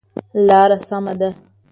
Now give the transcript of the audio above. لاره سمه ده؟